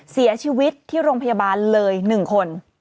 เสียชีวิตที่โรงพยาบาลเลย๑คน